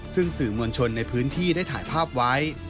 ซึ่งสื่อมวลชนในพื้นที่ได้ถ่ายภาพไว้